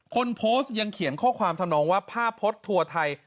คนโพสต์ยังเขียนข้อความทำนองว่าภาพพจน์ทัวร์ไทย